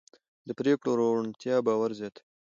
د پرېکړو روڼتیا باور زیاتوي